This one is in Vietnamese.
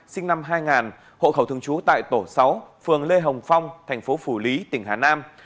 sinh năm hai nghìn hộ khẩu thường trú tại tổ sáu phường lê hồng phong tp phù lý tỉnh hà nam